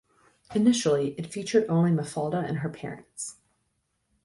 Initially, it featured only Mafalda and her parents.